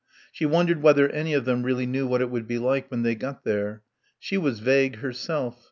She wondered whether any of them really knew what it would be like when they got there. She was vague, herself.